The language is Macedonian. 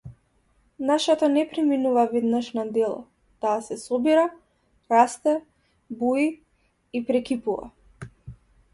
Нашата не преминува веднаш на дело, таа се собира, расте, буи и прекипува.